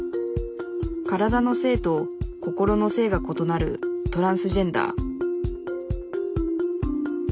体の性と心の性がことなるトランスジェンダー。